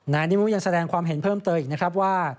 นิมุยังแสดงความเห็นเพิ่มเติมอีกนะครับว่า